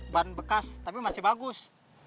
ban bekas tapi masih bagus